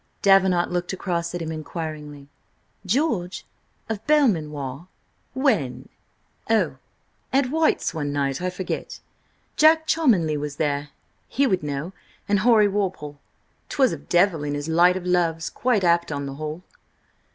Davenant looked across at him inquiringly. "George? Of Belmanoir? When?" "Oh, at White's one night–I forget–Jack Cholmondely was there–he would know; and Horry Walpole. 'Twas of Devil and his light o' loves–quite apt, on the whole."